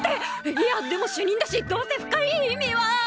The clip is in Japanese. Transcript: いやでも主任だしどうせ深い意味は！